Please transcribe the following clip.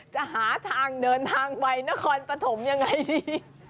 จะหาทางเดินทางไปนครปฐมยังไงดี